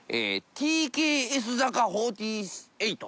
「＃ＴＫＳ坂４８」